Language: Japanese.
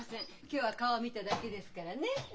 今日は顔を見ただけですからねフフフ。